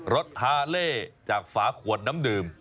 รถฮาเล่จากฝาขวดน้ำดื่ม